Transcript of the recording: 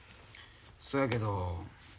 そやけど。